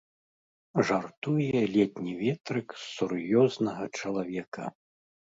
Жартуе летні ветрык з сур'ёзнага чалавека.